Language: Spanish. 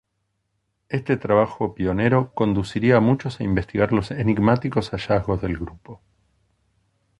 Este trabajo pionero conduciría a muchos a investigar los enigmáticos hallazgos del grupo.